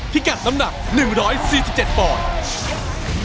พิกัดน้ำหนัก๑๔๗ปอนด์